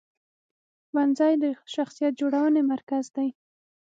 ښوونځی د شخصیت جوړونې مرکز دی.